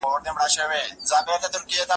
لکه ناست یم د بګرام په پاچهۍ کې